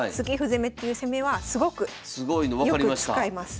攻めっていう攻めはすごくよく使います。